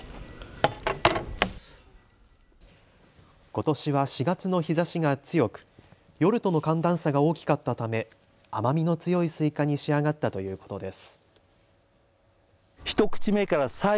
ことしは４月の日差しが強く夜との寒暖差が大きかったため甘みの強いスイカに仕上がったということです。